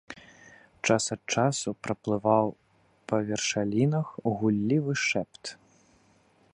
Час ад часу праплываў па вершалінах гуллівы шэпт.